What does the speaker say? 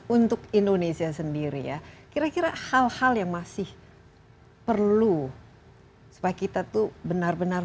untuk indonesia sendiri ya kira kira hal hal yang masih perlu supaya kita tuh benar benar